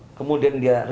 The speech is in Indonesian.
maka dia akan dianggap